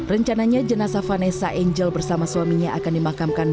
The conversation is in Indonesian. rencananya jenasa vanessa angel bersama suaminya akan dimakamkan